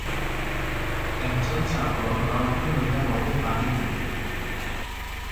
এখজন চাকর লণ্ঠন লইয়া পথে বাহির হইল।